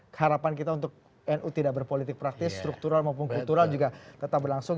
keharapan kita untuk nu tidak berpolitik praktis struktural maupun kultural juga tetap berlangsung